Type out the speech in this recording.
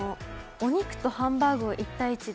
お肉とハンバーグを１対１で。